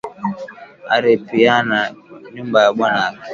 Ari piana nyumba ya bwana yake